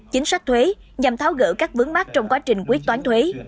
chính sách thuế nhằm tháo gỡ các vướng mắt trong quá trình quyết toán thuế